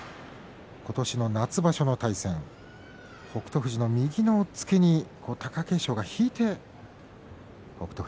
今年の夏場所の対戦北勝富士の右の押っつけに貴景勝が引いて北勝